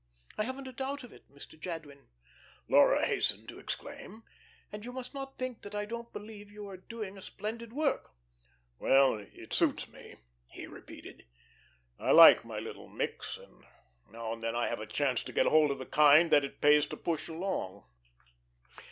'" "I haven't a doubt of it, Mr. Jadwin," Laura hastened to exclaim. "And you must not think that I don't believe you are doing a splendid work." "Well, it suits me," he repeated. "I like my little micks, and now and then I have a chance to get hold of the kind that it pays to push along.